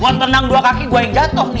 buat tenang dua kaki gue yang jatuh nih